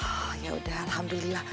oh yaudah alhamdulillah